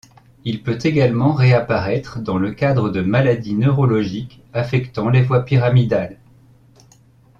Il peut également réapparaitre dans le cadre de maladies neurologiques affectant les voies pyramidales.